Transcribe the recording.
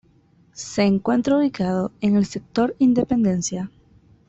Se encuentra ubicado en el Sector "Independencia".